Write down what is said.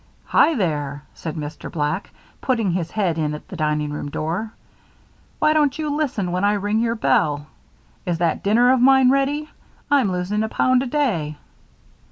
"Hi there!" said Mr. Black, putting his head in at the dining room door. "Why don't you listen when I ring your bell? Is that dinner of mine ready? I'm losing a pound a day."